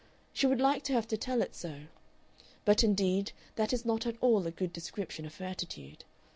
I would like to have to tell it so. But indeed that is not at all a good description of her attitude.